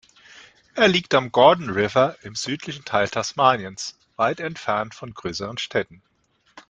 Er liegt am Gordon River im südlichen Teil Tasmaniens weit entfernt von größeren Städten.